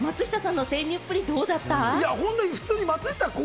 松下さんの潜入っぷり、どうだった？